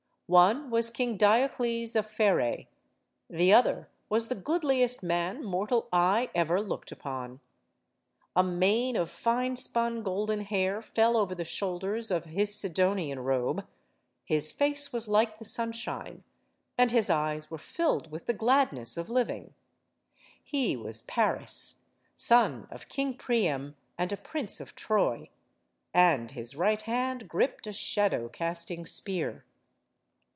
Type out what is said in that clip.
One was King Diocles of Pherae. The other was the goodliest man mortal eye ever looked upon. A mane of fine 68 STORIES OF THE SUPER WOMEN spun golden hair fell over the shoulders of his Sidonian robe; his face was like the sunshine, and his eyes were filled with the gladness of living. He was Paris, son of King Priam, and a prince of Troy. And his right hand gripped a shadow casting spear.